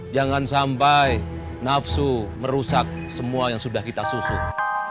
jangan sampai nafsu merusak semua yang sudah kita susun